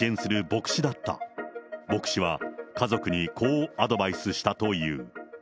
牧師は家族にこうアドバイスしたという。